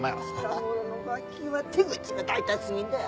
近頃のガキは手口が大胆すぎるんだよ！